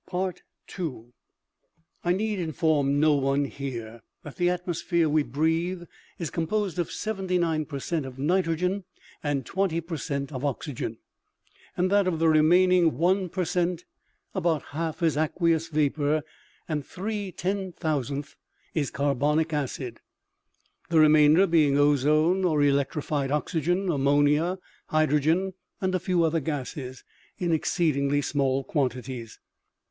ioo OMEGA. " I need inform no one here that the atmosphere we breathe is composed of seventy nine per cent, of nitro gen and twenty per cent, of oxygen, and that of the re maining one per cent, about one half is aqueous vapor and three ten thousandths is carbonic acid, the remain der being ozone, or electrified oxygen, ammonia, hydro gen and a few other gases, in exceedingly small quanti ties.